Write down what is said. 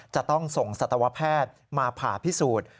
จะต้องส่งสัตวแพทย์มาผ่าพิสูจน์